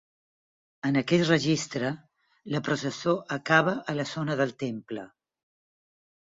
En aquest registre la processo acaba a la zona del temple.